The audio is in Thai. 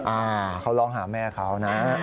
อ่าเขาร้องหาแม่เขานะ